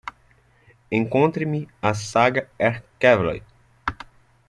Encontre-me a saga Air Cavalry